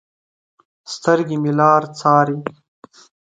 سترګې مې لار څارې